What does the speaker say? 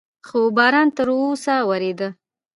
خو باران تر اوسه ورېده.